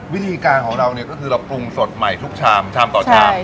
วิธีการของเราเนี่ยก็คือเราปรุงสดใหม่ทุกชามชามต่อชาม